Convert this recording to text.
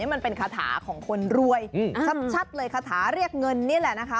มันเป็นคาถาของคนรวยชัดเลยคาถาเรียกเงินนี่แหละนะคะ